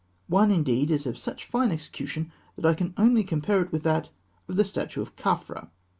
One, indeed, is of such fine execution that I can only compare it with that of the statue of Khafra.